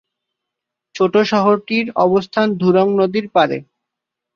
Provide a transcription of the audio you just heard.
ছোট্ট শহরটির অবস্থান ধুরুং নদীর পাড়ে।